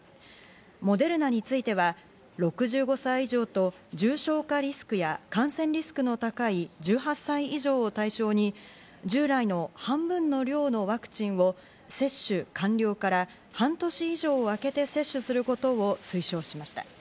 モデルナについては６５歳以上と重症化リスクや感染リスクの高い１８歳以上を対象に、従来の半分の量のワクチンを接種完了から半年以上あけて接種することを推奨しました。